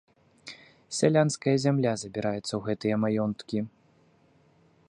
Сялянская зямля забіраецца ў гэтыя маёнткі.